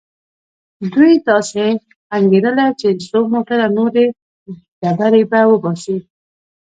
دوی داسې انګېرله چې څو موټره نورې ډبرې به وباسي.